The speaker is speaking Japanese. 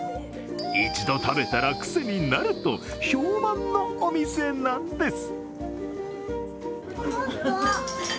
一度食べたらクセになると評判のお店なんです。